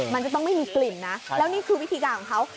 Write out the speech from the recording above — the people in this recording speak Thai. มันก็ต้องไม่มีกลิ่นนะแล้วนี่คือวิธีการของเขา